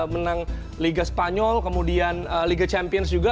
menang liga spanyol kemudian liga champions juga